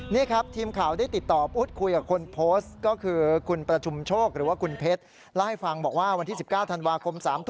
นี่ครับทีมข่าวได้ติดต่ออุ๊ดคุยกับคนโพสต์